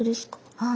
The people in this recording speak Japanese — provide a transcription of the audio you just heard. はい。